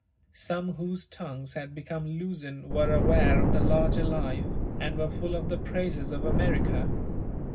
Some whose tongues had become loosened were aware of the larger life, and were full of the praises of America.